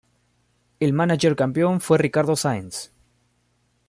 El mánager campeón fue Ricardo Sáenz.